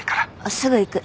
すぐ行く。